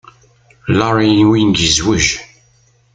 Larry Ewing yezwej.